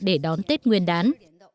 để đón tết nguyên đán